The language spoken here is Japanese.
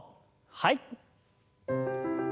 はい。